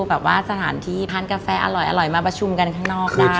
แบบว่าสถานที่ทานกาแฟอร่อยมาประชุมกันข้างนอกได้